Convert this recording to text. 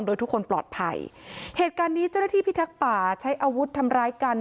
โดยทุกคนปลอดภัยเหตุการณ์นี้เจ้าหน้าที่พิทักษ์ป่าใช้อาวุธทำร้ายกัน